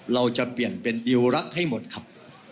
เราจะเปลี่ยนเป็นดิวรักให้หมดครับ